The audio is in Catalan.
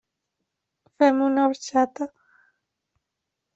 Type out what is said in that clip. Fem una orxata?